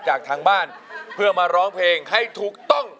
จากทางบ้านเพื่อมาร้องเพลงให้ถูกต้อง